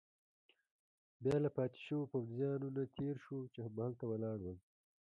بیا له پاتې شوو پوځیانو نه تېر شوو، چې هملته ولاړ ول.